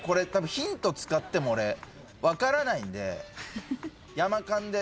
ヒント使っても俺分からないんでヤマ勘で。